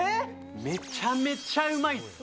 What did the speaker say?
めちゃめちゃうまいっす。